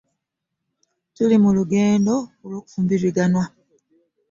Tuli mu lugendo lw'okufumbiriganwa